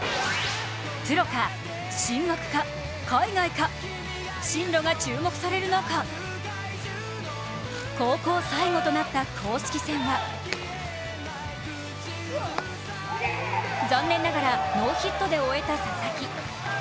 プロか、進学か、海外か、進路が注目される中、高校最後となった公式戦は残念ながらノーヒットで終えた佐々木。